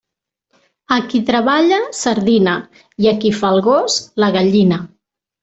A qui treballa, sardina, i a qui fa el gos, la gallina.